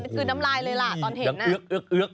คือน้ำลายเลยล่ะตอนเห็นน่ะเอือก